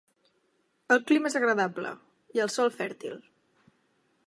El clima és agradable, i el sòl fèrtil.